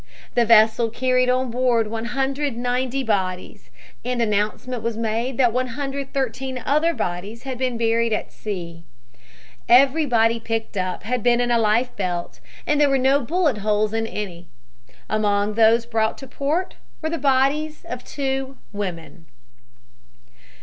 The vessel carried on board 190 bodies, and announcement was made that 113 other bodies had been buried at sea. Everybody picked up had been in a life belt and there were no bullet holes in any. Among those brought to port were the bodies of two women.